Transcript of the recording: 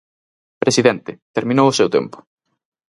Presidente, terminou o seu tempo.